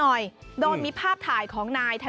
กลายเป็นประเพณีที่สืบทอดมาอย่างยาวนาน